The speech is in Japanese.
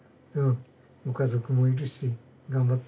ご家族もいるし頑張って。